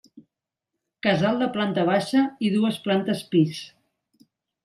Casal de planta baixa i dues plantes pis.